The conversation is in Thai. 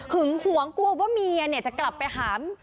หวงกลัวว่าเมียจะกลับไปหา